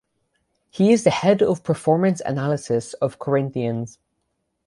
He is the head of performance analysis of Corinthians.